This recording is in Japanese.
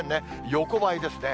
横ばいですね。